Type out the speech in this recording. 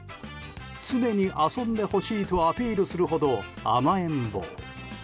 常に遊んでほしいとアピールするほど甘えん坊。